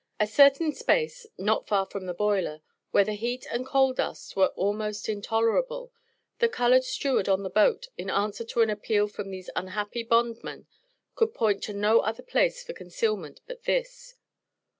A certain space, not far from the boiler, where the heat and coal dust were almost intolerable, the colored steward on the boat in answer to an appeal from these unhappy bondmen, could point to no other place for concealment but this.